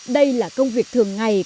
đây là công việc thường ngày